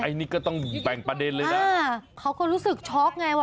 โอ้อันนี้ก็ต้องแบ่งประเด็นเลยนะอ่าเขาก็รู้สึกชอคเนี่ยวะ